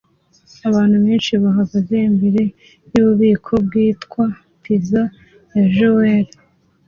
Abantu benshi bahagaze imbere yububiko bwitwa Pizza ya Joe